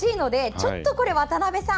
ちょっとこれ、渡邊さん